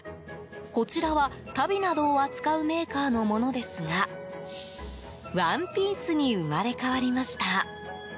こちらは足袋などを扱うメーカーのものですがワンピースに生まれ変わりました。